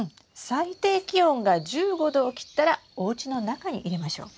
最低気温が１５℃を切ったらおうちの中に入れましょう。